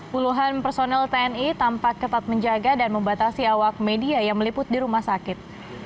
puluhan personel tni tampak ketat menjaga dan membatasi awak media yang meliput di rumah sakit